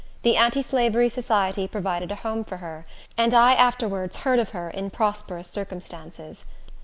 The Anti Slavery Society provided a home for her, and I afterwards heard of her in prosperous circumstances.